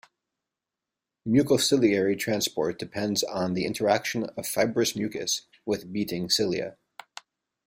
Mucociliary transport depends on the interaction of fibrous mucus with beating cilia.